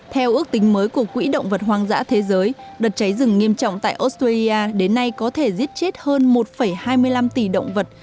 theo ước tính mới của quỹ động vật hoang dã thế giới đợt cháy rừng nghiêm trọng tại australia đến nay có thể giết chết hơn một hai mươi năm tỷ động vật